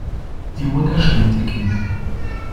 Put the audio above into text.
Die Mutter stillt ihr Kind.